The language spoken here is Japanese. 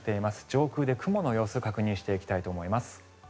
上空で雲の様子を確認していきたいと思います。